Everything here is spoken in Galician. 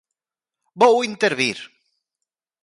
¡Vou intervir!